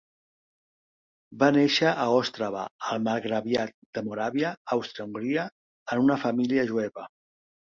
Va néixer a Ostrava, al marcgraviat de Moràvia (Àustria-Hongria), en una família jueva.